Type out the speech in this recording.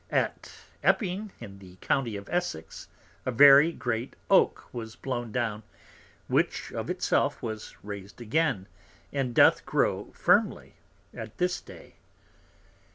At Epping in the County of Essex, a very great Oak was blown down, which of it self was raised again, and doth grow firmly at this Day.